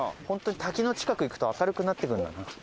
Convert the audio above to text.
本当に滝の近く行くと明るくなってくるんだな。